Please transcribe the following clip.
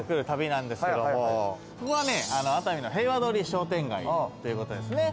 旅なんですけれど、ここは熱海の平和通り商店街ということです。